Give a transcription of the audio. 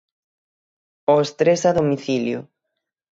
Os tres a domicilio.